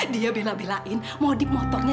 dia bela belain modip motornya